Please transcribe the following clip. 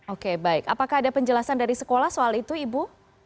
oke baik apakah ada penjelasan dari sekolah soal itu ibu